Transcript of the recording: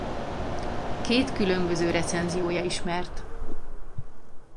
Két különböző recenziója ismert.